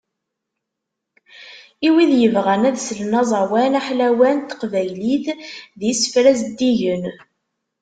I wid yebɣan ad slen aẓawan aḥlawan n teqbaylit d yisefra zeddigen